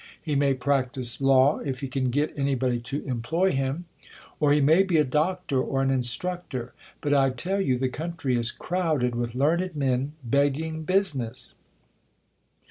He may practise law, if he can get any body to employ him ; or he may be a Doctor or an Instructor ; but I tell you the country is crowded with learned men begging business.